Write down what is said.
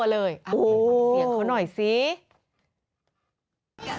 ต้องไว้ชาวไป